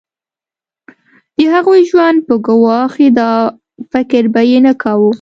د هغوی ژوند به ګواښي دا فکر به یې نه کاوه.